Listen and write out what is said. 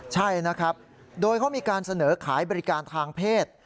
ใช่นะครับโดยเขามีการเสนอขายบริการทางเพศ